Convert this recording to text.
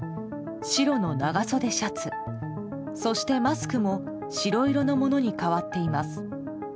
白の長袖シャツそしてマスクも白色のものに変わっています。